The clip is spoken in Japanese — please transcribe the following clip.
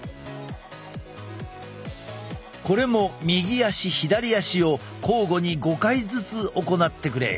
これも右足左足を交互に５回ずつ行ってくれ。